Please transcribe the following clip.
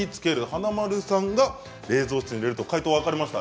華丸さんが冷蔵室に入れると解答が分かれました。